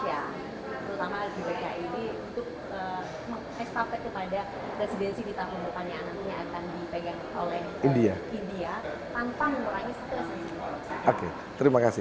untuk mengeksaftek kepada residensi di tahun depannya nanti yang akan dipegang oleh india